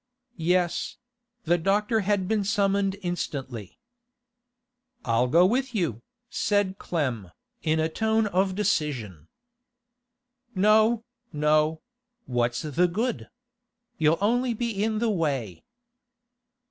'Yes; the doctor had been summoned instantly.' 'I'll go with you,' said Clem, in a tone of decision. 'No, no; what's the good? You'll only be in the way.